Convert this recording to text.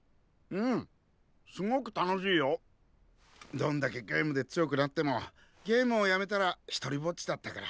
どんだけゲームで強くなってもゲームをやめたら独りぼっちだったから。